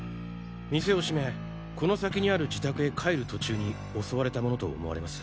店を閉めこの先にある自宅へ帰る途中に襲われたものと思われます。